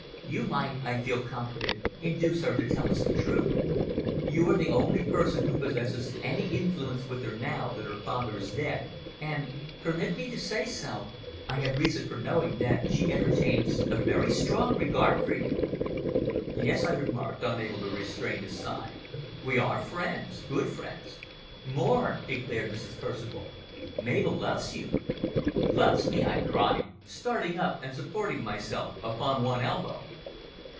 "You might, I feel confident, induce her to tell us the truth. You are the only person who possesses any influence with her now that her father in dead, and permit me to say so I have reason for knowing that she entertains a very strong regard for you." "Yes," I remarked, unable to restrain a sigh, "we are friends good friends." "More," declared Mrs. Percival, "Mabel loves you." "Loves me!" I cried, starting up and supporting myself upon one elbow.